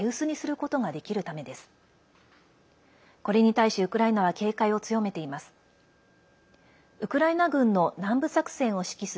これに対し、ウクライナは警戒を強めています。